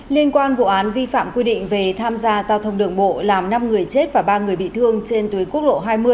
liên quan vụ án vi phạm quy định về tham gia giao thông đường bộ làm năm người chết và ba người bị thương trên tuyến quốc lộ hai mươi